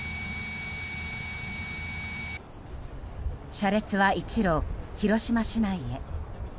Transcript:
車列は一路、広島市内へ。